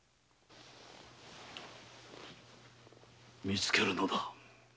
みつけるのだ。